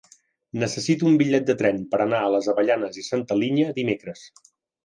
Necessito un bitllet de tren per anar a les Avellanes i Santa Linya dimecres.